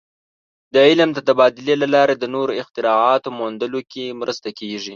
د علم د تبادلې له لارې د نوو اختراعاتو موندلو کې مرسته کېږي.